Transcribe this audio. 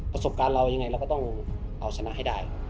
ประสบการณ์เรายังไงเราก็ต้องเอาชนะให้ได้